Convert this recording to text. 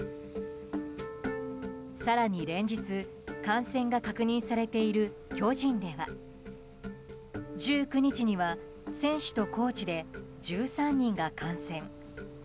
更に、連日感染が確認されている巨人では１９日には選手とコーチで１３人が感染。